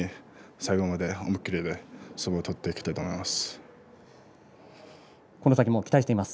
最後まで思い切り相撲を取っていきたいと思います。